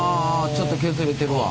ちょっと削れてるわ。